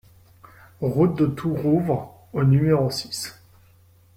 Route de Tourouvre au numéro six